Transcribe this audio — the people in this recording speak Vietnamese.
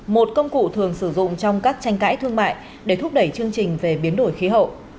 một công cụ thường sử dụng trong các tranh cãi thương mại để thúc đẩy chương trình về biến đổi khí hậu